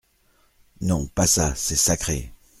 Non, pas ça, c’est sacré !